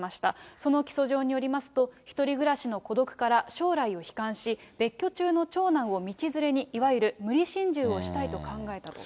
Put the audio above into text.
その起訴状によりますと、１人暮らしの孤独から将来を悲観し、別居中の長男を道連れに、いわゆる無理心中をしたいと考えたと。